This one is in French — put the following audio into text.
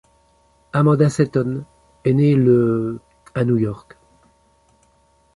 Amanda Setton est née le à New York.